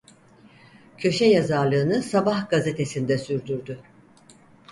Köşe yazarlığını Sabah gazetesinde sürdürdü.